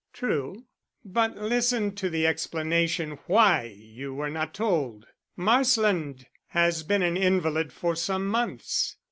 "True. But listen to the explanation why you were not told. Marsland has been an invalid for some months.